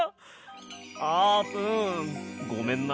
あーぷんごめんな。